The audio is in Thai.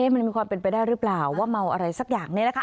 มันมีความเป็นไปได้หรือเปล่าว่าเมาอะไรสักอย่างนี้นะคะ